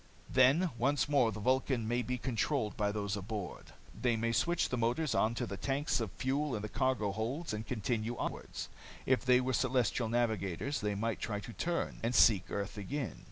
Then once more the Vulcan may be controlled by those aboard. They may switch the motors onto the tanks of fuel in the cargo holds, and continue onwards. If they were celestial navigators, they might try to turn, and seek earth again.